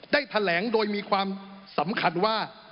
ได้แถลงโดยมีความสำคัญว่า